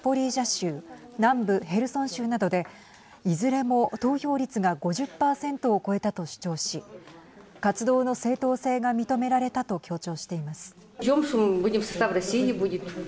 州南部ヘルソン州などでいずれも投票率が５０％を超えたと主張し活動の正当性が認められたと強調しています。